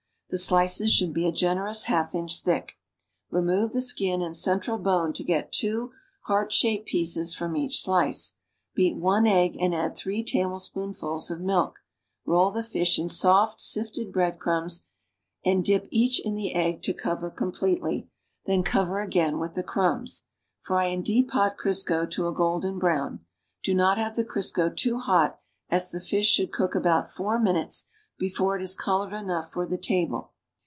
The slices should be a generous half inch thick. Remove the skin and central bone to get two heart shaped pieces from each slice. Beat one egg and add three tablespoonfuls of milk. Roll the fish in soft, sifted bread crumbs, seasoned with salt and pepper, and dip each in the egg to cover complctel}', then co\'er again with the crumbs. Fr>' in deep, hot Crisco to a golden thrown. Do not have the Crisco too hot as the fish should cook about four minutes before it is colored enough for the table.